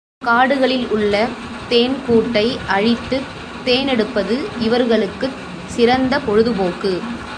காடுகளில் உள்ள தேன்கூட்டை அழித்துத் தேனெடுப்பது இவர்களுக்குச் சிறந்த பொழுது போக்கு.